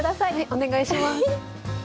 お願いします。